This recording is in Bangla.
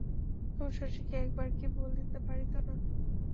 তবু, শশীকে একবার কি বলিতে পারিত না?